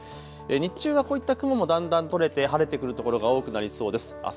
日中はこういった雲もだんだん取れて晴れてくるところが多くなりそうです。